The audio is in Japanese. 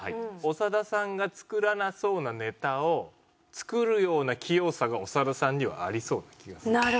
長田さんが作らなそうなネタを作るような器用さが長田さんにはありそうな気がする。